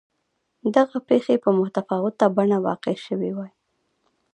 دغه پېښې په متفاوته بڼه واقع شوې وای.